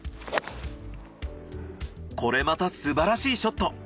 これまたすばらしいショット。